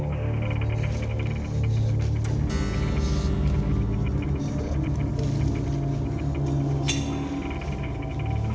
มันมีรอยสัก